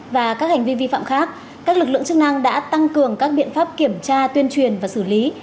và các hành vi vi phạm khác các lực lượng chức năng đã tăng cường các biện pháp kiểm tra tuyên truyền và xử lý